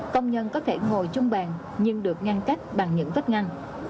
công nhân có thể ngồi trong bàn nhưng được ngăn cách bằng những vết ngăn